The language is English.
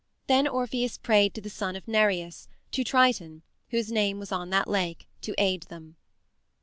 Then Orpheus prayed to the son of Nereus, to Triton, whose name was on that lake, to aid them.